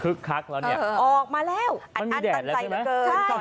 คึกคักแล้วเนี่ยออกมาแล้วมันมีแดดแล้วใช่ไหม